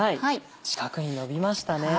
四角にのびましたね。